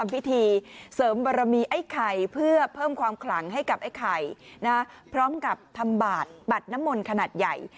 ปรมีไอ้ไข่เพื่อเพิ่มความขลังให้กับไอ้ไข่นะครับพร้อมกับทำบาดบัตรน้ำมนต์ขนาดใหญ่